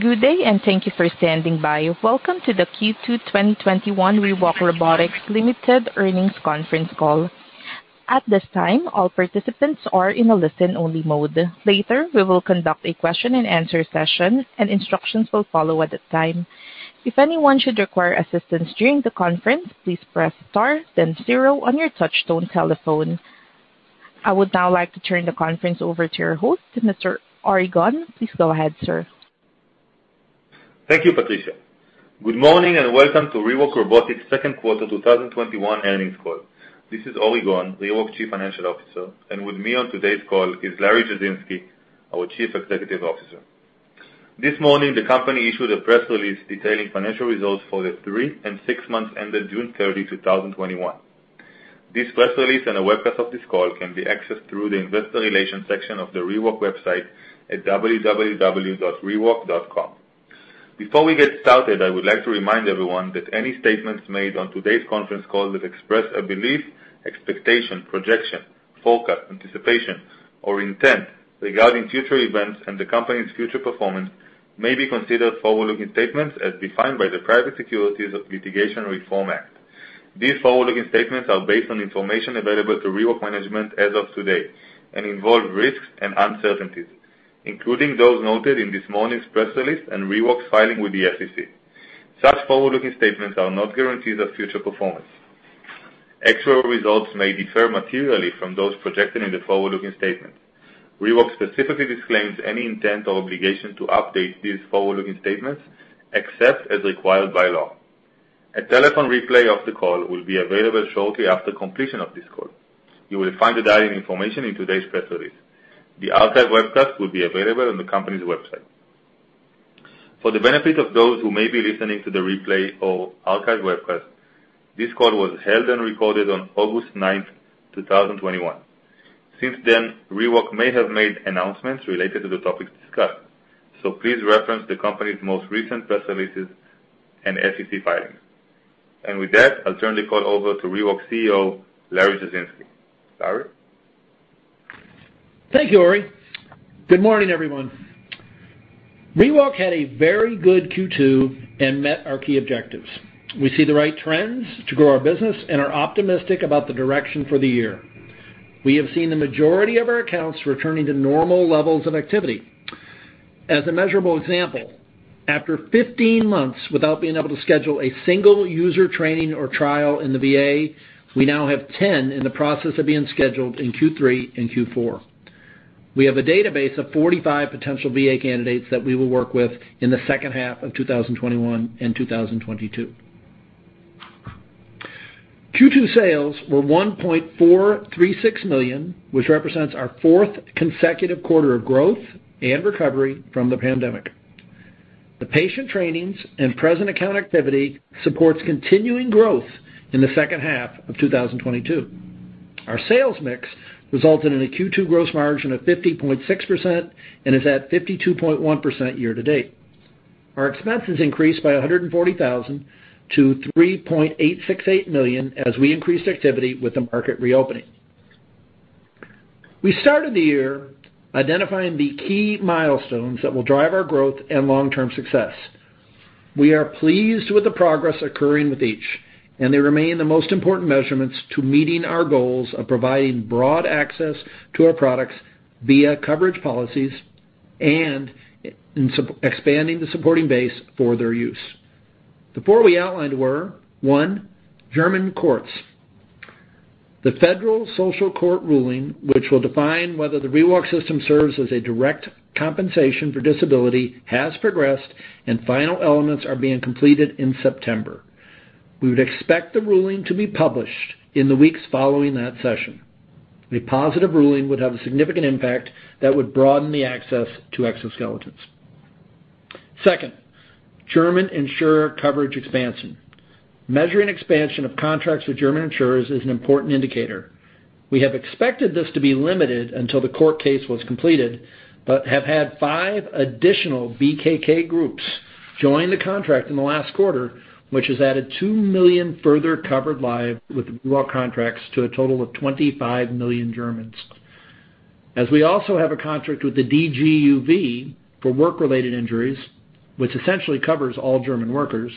Good day, and thank you for standing by. Welcome to the Q2 2021 ReWalk Robotics Ltd. earnings conference call. At this time, all participants are in a listen-only mode. Later, we will conduct a question and answer session, and instructions will follow at the time. If anyone should require assistance during the conference, please press star then zero on your touchtone telephone. I would now like to turn the conference over to your host, Mr. Ori Gon. Please go ahead, sir. Thank you, Patricia. Good morning, welcome to ReWalk Robotics Q2 2021 earnings call. This is Ori Gon, ReWalk Chief Financial Officer, with me on today's call is Larry Jasinski, our Chief Executive Officer. This morning, the company issued a press release detailing financial results for the 3 and 6 months ended June 30, 2021. This press release and a webcast of this call can be accessed through the investor relations section of the ReWalk website at www.rewalk.com. Before we get started, I would like to remind everyone that any statements made on today's conference call that express a belief, expectation, projection, forecast, anticipation, or intent regarding future events and the company's future performance may be considered forward-looking statements as defined by the Private Securities Litigation Reform Act. These forward-looking statements are based on information available to ReWalk management as of today and involve risks and uncertainties, including those noted in this morning's press release and ReWalk's filing with the SEC. Such forward-looking statements are not guarantees of future performance. Actual results may differ materially from those projected in the forward-looking statement. ReWalk specifically disclaims any intent or obligation to update these forward-looking statements except as required by law. A telephone replay of the call will be available shortly after completion of this call. You will find the dial-in information in today's press release. The archive webcast will be available on the company's website. For the benefit of those who may be listening to the replay or archive webcast, this call was held and recorded on August ninth, 2021. Since then, ReWalk may have made announcements related to the topics discussed, so please reference the company's most recent press releases and SEC filings. With that, I'll turn the call over to ReWalk CEO, Larry Jasinski. Larry? Thank you, Ori. Good morning, everyone. ReWalk had a very good Q2 and met our key objectives. We see the right trends to grow our business and are optimistic about the direction for the year. We have seen the majority of our accounts returning to normal levels of activity. As a measurable example, after 15 months without being able to schedule a single user training or trial in the VA, we now have 10 in the process of being scheduled in Q3 and Q4. We have a database of 45 potential VA candidates that we will work with in the second half of 2021 and 2022. Q2 sales were $1.436 million, which represents our fourth consecutive quarter of growth and recovery from the pandemic. The patient trainings and present account activity supports continuing growth in the second half of 2022. Our sales mix resulted in a Q2 gross margin of 50.6% and is at 52.1% year to date. Our expenses increased by $140,000-$3.868 million as we increased activity with the market reopening. We started the year identifying the key milestones that will drive our growth and long-term success. We are pleased with the progress occurring with each, and they remain the most important measurements to meeting our goals of providing broad access to our products via coverage policies and expanding the supporting base for their use. The four we outlined were, one, German courts. The Federal Social Court ruling, which will define whether the ReWalk system serves as a direct compensation for disability, has progressed, and final elements are being completed in September. We would expect the ruling to be published in the weeks following that session. A positive ruling would have a significant impact that would broaden the access to exoskeletons. Second, German insurer coverage expansion. Measuring expansion of contracts with German insurers is an important indicator. We have expected this to be limited until the court case was completed, but have had five additional BKK groups join the contract in the last quarter, which has added 2 million further covered lives with ReWalk contracts to a total of 25 million Germans. As we also have a contract with the DGUV for work-related injuries, which essentially covers all German workers,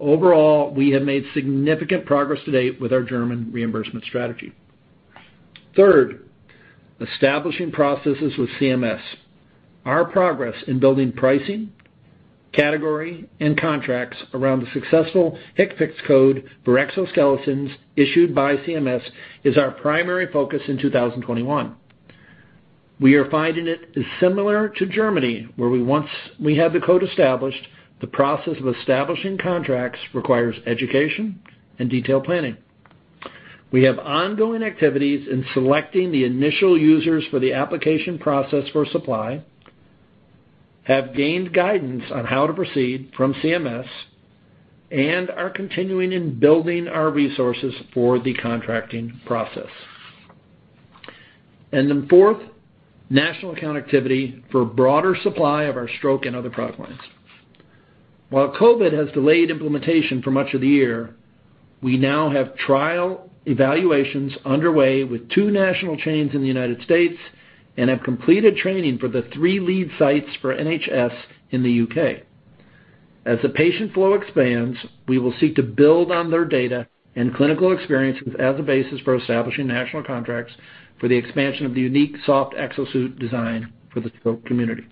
overall, we have made significant progress to date with our German reimbursement strategy. Third, establishing processes with CMS. Our progress in building pricing, category, and contracts around the successful HCPCS code for exoskeletons issued by CMS is our primary focus in 2021. We are finding it is similar to Germany, where once we have the code established, the process of establishing contracts requires education and detailed planning. We have ongoing activities in selecting the initial users for the application process for supply, have gained guidance on how to proceed from CMS, and are continuing in building our resources for the contracting process. Fourth, national account activity for broader supply of our stroke and other product lines. While COVID has delayed implementation for much of the year, we now have trial evaluations underway with two national chains in the U.S., and have completed training for the three lead sites for NHS in the U.K. As the patient flow expands, we will seek to build on their data and clinical experiences as a basis for establishing national contracts for the expansion of the unique soft exosuit design for the stroke community.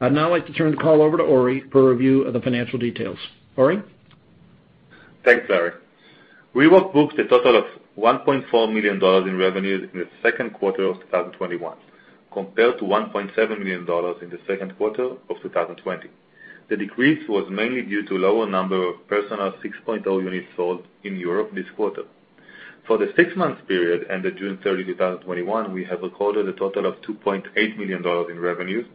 I'd now like to turn the call over to Ori for review of the financial details. Ori? Thanks, Larry. ReWalk booked a total of $1.4 million in revenues in the second quarter of 2021, compared to $1.7 million in the second quarter of 2020. The decrease was mainly due to lower number of Personal 6.0 units sold in Europe this quarter. For the six-month period ended June 30, 2021, we have recorded a total of $2.8 million in revenues,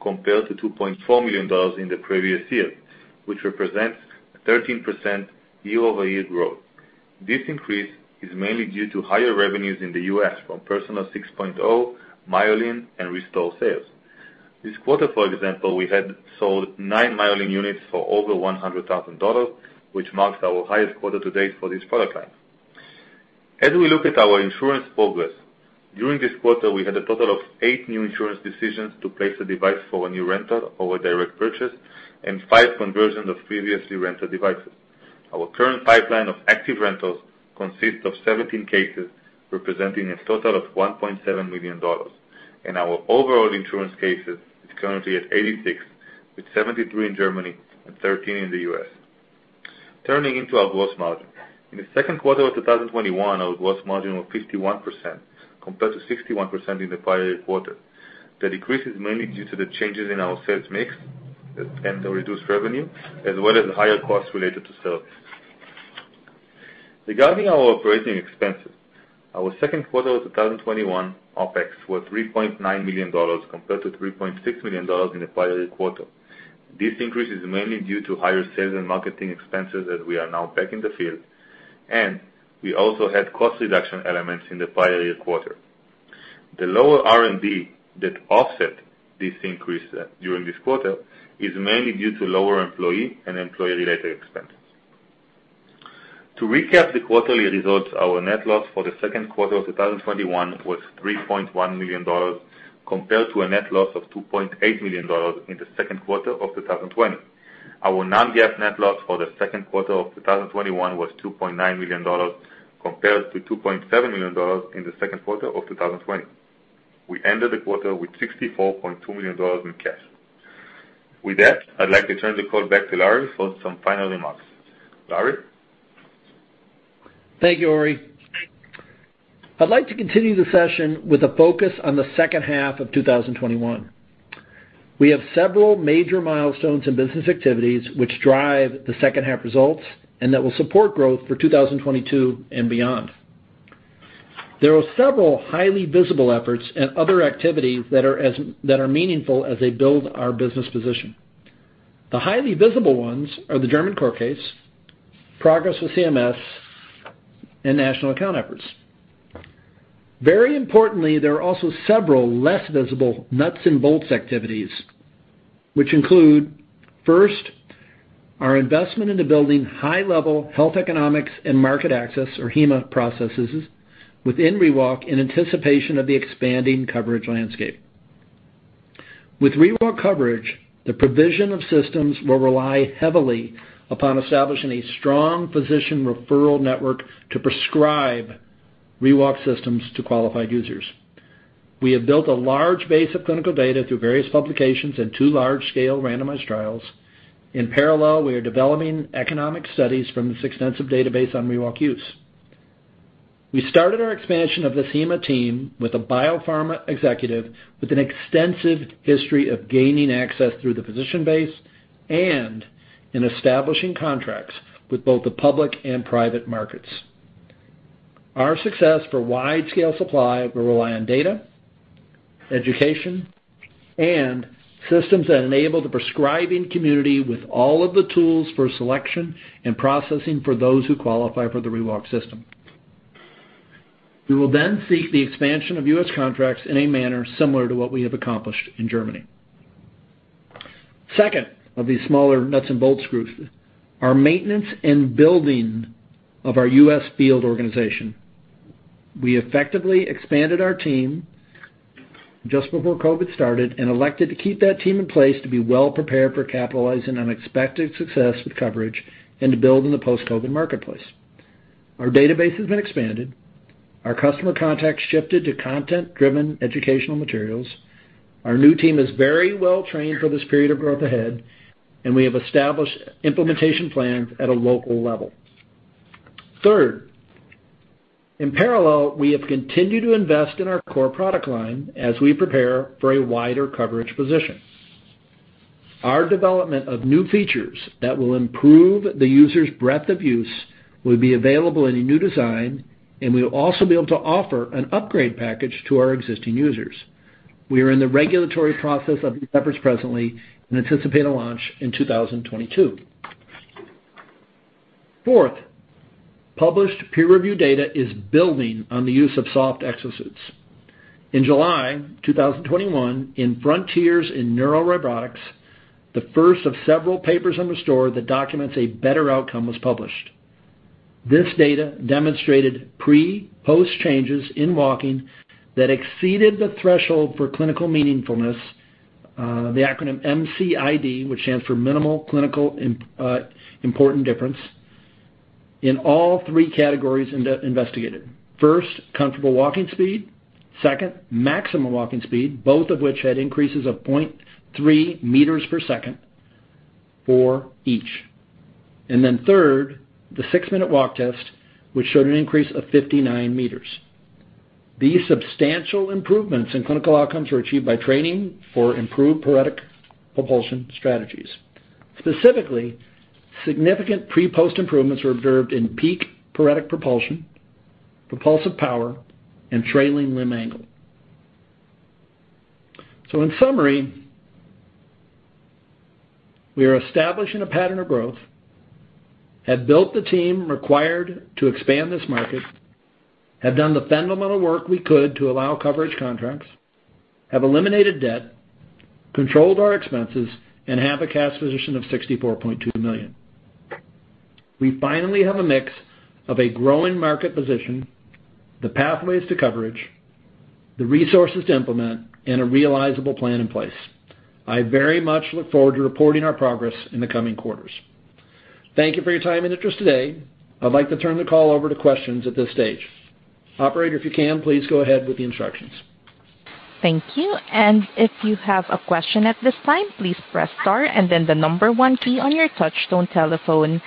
compared to $2.4 million in the previous year, which represents 13% year-over-year growth. This increase is mainly due to higher revenues in the U.S. from Personal 6.0, MyoCycle, and ReStore sales. This quarter, for example, we had sold 9 MyoCycle units for over $100,000, which marks our highest quarter to date for this product line. As we look at our insurance progress, during this quarter, we had a total of eight new insurance decisions to place a device for a new rental or a direct purchase and five conversions of previously rented devices. Our current pipeline of active rentals consists of 17 cases, representing a total of $1.7 million, Our overall insurance cases is currently at 86, with 73 in Germany and 13 in the U.S. Turning into our gross margin. In the second quarter of 2021, our gross margin was 51%, compared to 61% in the prior quarter. The decrease is mainly due to the changes in our sales mix and the reduced revenue, as well as higher costs related to sales. Regarding our operating expenses, our second quarter of 2021 OpEx was $3.9 million, compared to $3.6 million in the prior year quarter. This increase is mainly due to higher sales and marketing expenses as we are now back in the field, and we also had cost reduction elements in the prior year quarter. The lower R&D that offset this increase during this quarter is mainly due to lower employee and employee-related expenses. To recap the quarterly results, our net loss for the second quarter of 2021 was $3.1 million, compared to a net loss of $2.8 million in the second quarter of 2020. Our non-GAAP net loss for the second quarter of 2021 was $2.9 million, compared to $2.7 million in the second quarter of 2020. We ended the quarter with $64.2 million in cash. With that, I'd like to turn the call back to Larry for some final remarks. Larry? Thank you, Ori. I'd like to continue the session with a focus on the second half of 2021. We have several major milestones and business activities which drive the second half results and that will support growth for 2022 and beyond. There are several highly visible efforts and other activities that are meaningful as they build our business position. The highly visible ones are the German court case, progress with CMS, and national account efforts. Very importantly, there are also several less visible nuts and bolts activities, which include, first, our investment into building high-level health economics and market access, or HEMA, processes within ReWalk in anticipation of the expanding coverage landscape. With ReWalk coverage, the provision of systems will rely heavily upon establishing a strong physician referral network to prescribe ReWalk systems to qualified users. We have built a large base of clinical data through various publications and two large-scale randomized trials. In parallel, we are developing economic studies from this extensive database on ReWalk use. We started our expansion of this HEMA team with a biopharma executive with an extensive history of gaining access through the physician base and in establishing contracts with both the public and private markets. Our success for wide-scale supply will rely on data, education, and systems that enable the prescribing community with all of the tools for selection and processing for those who qualify for the ReWalk system. We will then seek the expansion of U.S. contracts in a manner similar to what we have accomplished in Germany. Second of these smaller nuts and bolts screws, our maintenance and building of our U.S. field organization. We effectively expanded our team just before COVID started and elected to keep that team in place to be well prepared for capitalizing unexpected success with coverage and to build in the post-COVID marketplace. Our database has been expanded. Our customer contacts shifted to content-driven educational materials. Our new team is very well trained for this period of growth ahead, and we have established implementation plans at a local level. Third, in parallel, we have continued to invest in our core product line as we prepare for a wider coverage position. Our development of new features that will improve the user's breadth of use will be available in a new design, and we will also be able to offer an upgrade package to our existing users. We are in the regulatory process of these efforts presently and anticipate a launch in 2022. Fourth, published peer-review data is building on the use of soft exosuits. In July 2021, in Frontiers in Neurorobotics, the first of several papers on the ReStore that documents a better outcome was published. This data demonstrated pre/post changes in walking that exceeded the threshold for clinical meaningfulness, the acronym MCID, which stands for Minimal Clinically Important Difference, in all three categories investigated. First, comfortable walking speed. Second, maximum walking speed, both of which had increases of 0.3 m/s for each. Then third, the 6-minute walk test, which showed an increase of 59 m. These substantial improvements in clinical outcomes were achieved by training for improved paretic propulsion strategies. Specifically, significant pre/post improvements were observed in peak paretic propulsion, propulsive power, and trailing limb angle. In summary, we are establishing a pattern of growth, have built the team required to expand this market, have done the fundamental work we could to allow coverage contracts, have eliminated debt, controlled our expenses, and have a cash position of $64.2 million. We finally have a mix of a growing market position, the pathways to coverage, the resources to implement, and a realizable plan in place. I very much look forward to reporting our progress in the coming quarters. Thank you for your time and interest today. I'd like to turn the call over to questions at this stage. Operator, if you can, please go ahead with the instructions. Thank you. If you have a question at this time, please press star and then the 1 key on your touch-tone telephone.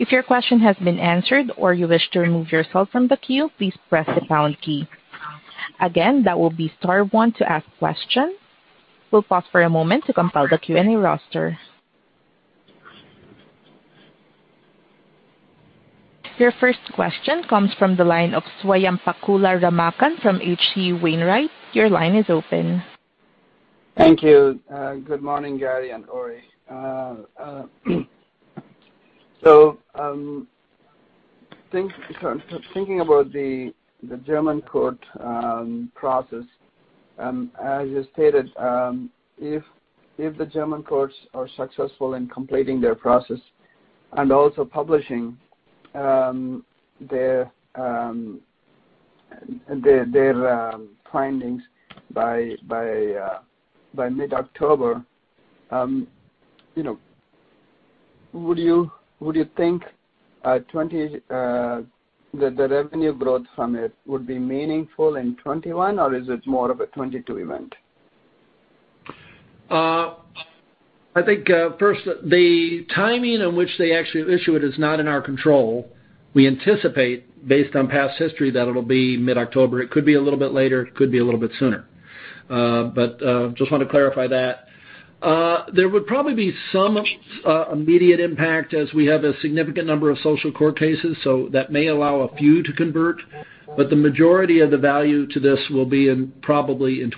If your question has been answered or you wish to remove yourself from the queue, please press the pound key. That will be star 1 to ask questions. We'll pause for a moment to compile the Q&A roster. Your first question comes from the line of Swayampakula Ramakanth from H.C. Wainwright. Your line is open. Thank you. Good morning, Larry and Ori. Thinking about the German court process, as you stated, if the German courts are successful in completing their process and also publishing their findings by mid-October, would you think that the revenue growth from it would be meaningful in 2021, or is it more of a 2022 event? I think, first, the timing in which they actually issue it is not in our control. We anticipate, based on past history, that it'll be mid-October. It could be a little bit later, it could be a little bit sooner. Just want to clarify that. There would probably be some immediate impact as we have a significant number of social court cases, so that may allow a few to convert, but the majority of the value to this will be in probably in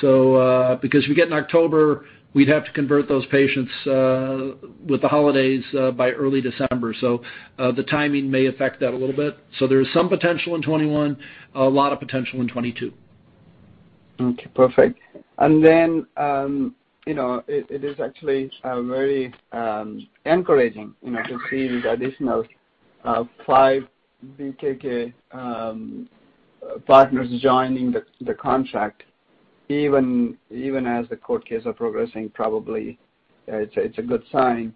2022. Because if we get in October, we'd have to convert those patients, with the holidays, by early December. The timing may affect that a little bit. There is some potential in 2021, a lot of potential in 2022. Okay, perfect. It is actually very encouraging to see the additional five BKK partners joining the contract, even as the court case are progressing. Probably it's a good sign.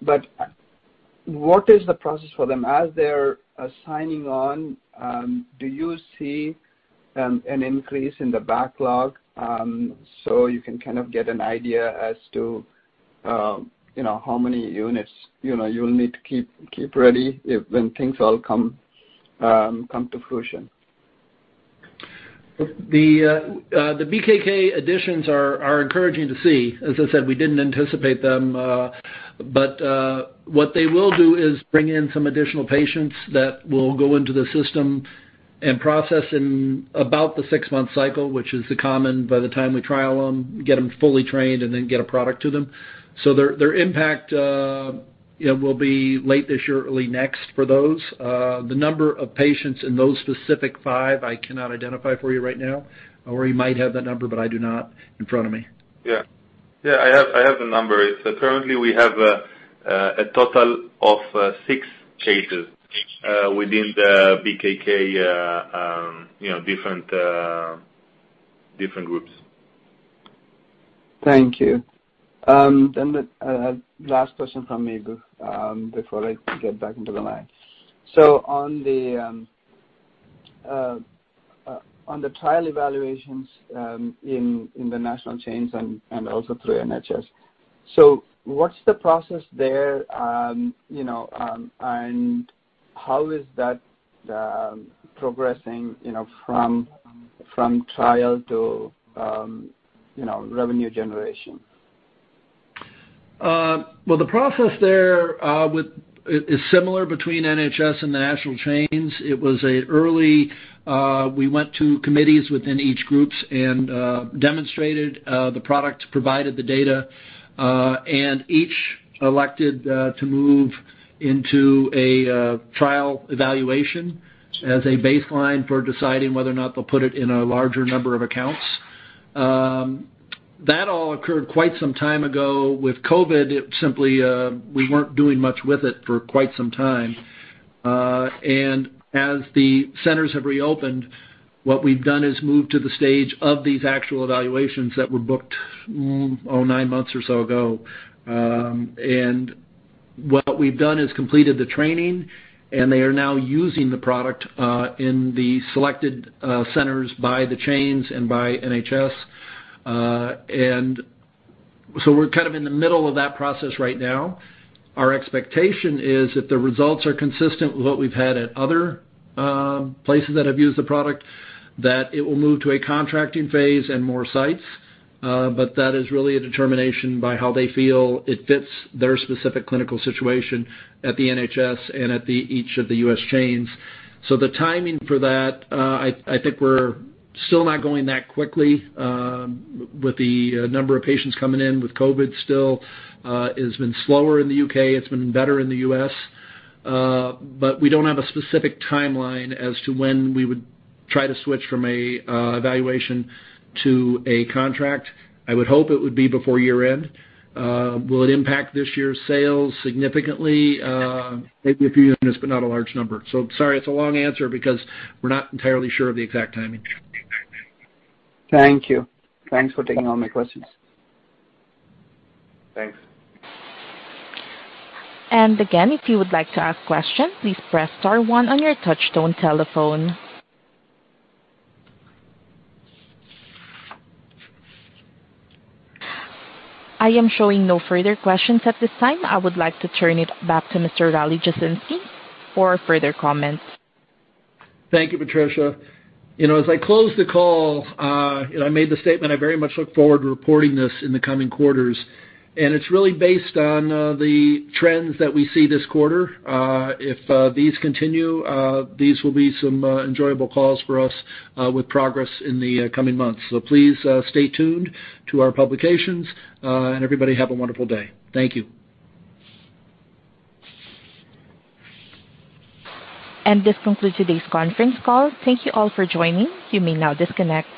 What is the process for them? As they're signing on, do you see an increase in the backlog so you can kind of get an idea as to how many units you'll need to keep ready when things all come to fruition? The BKK additions are encouraging to see. As I said, we didn't anticipate them. What they will do is bring in some additional patients that will go into the system and process in about the 6-month cycle, which is the common by the time we trial them, get them fully trained, and then get a product to them. Their impact will be late this year, early next for those. The number of patients in those specific five, I cannot identify for you right now. Ori might have that number, but I do not in front of me. Yeah. I have the number. Currently, we have a total of six cases within the BKK different groups. Thank you. The last question from me before I get back into the line. On the trial evaluations in the national chains and also through NHS, what's the process there, and how is that progressing from trial to revenue generation? Well, the process there is similar between NHS and the national chains. It was early. We went to committees within each groups and demonstrated the product, provided the data. Each elected to move into a trial evaluation as a baseline for deciding whether or not they'll put it in a larger number of accounts. That all occurred quite some time ago. With COVID, it simply, we weren't doing much with it for quite some time. As the centers have reopened, what we've done is moved to the stage of these actual evaluations that were booked, oh, 9 months or so ago. What we've done is completed the training, and they are now using the product, in the selected centers by the chains and by NHS. We're kind of in the middle of that process right now. Our expectation is if the results are consistent with what we've had at other places that have used the product, that it will move to a contracting phase and more sites. That is really a determination by how they feel it fits their specific clinical situation at the NHS and at each of the U.S. chains. The timing for that, I think we're still not going that quickly, with the number of patients coming in with COVID still. It has been slower in the U.K. It's been better in the U.S. We don't have a specific timeline as to when we would try to switch from a evaluation to a contract. I would hope it would be before year-end. Will it impact this year's sales significantly? Maybe a few units, but not a large number. Sorry, it's a long answer because we're not entirely sure of the exact timing. Thank you. Thanks for taking all my questions. Thanks. Again, if you would like to ask questions, please press star one on your touchtone telephone. I am showing no further questions at this time. I would like to turn it back to Mr. Larry Jasinski for further comments. Thank you, Patricia. As I close the call, I made the statement, I very much look forward to reporting this in the coming quarters. It's really based on the trends that we see this quarter. If these continue, these will be some enjoyable calls for us with progress in the coming months. Please stay tuned to our publications. Everybody have a wonderful day. Thank you. This concludes today's conference call. Thank you all for joining. You may now disconnect.